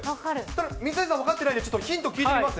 ただ水谷さん分かってないんで、ちょっとヒント聞いてみます？